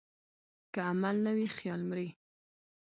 که عمل نه وي، خیال مري.